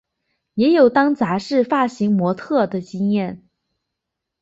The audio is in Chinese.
也有当杂志发型模特儿的经验。